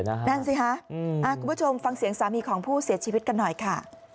นั่นสิคะคุณผู้ชมฟังเสียงสามีของผู้เสียชีวิตกันหน่อยค่ะ